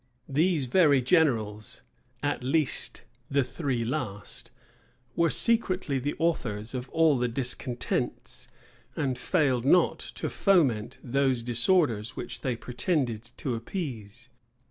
These very generals, at least the three last, were secretly the authors of all the discontents; and failed not to foment those disorders which they pretended to appease.